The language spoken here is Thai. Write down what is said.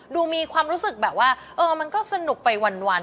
ดูมีความรู้สึกมันก็สนุกไปวัน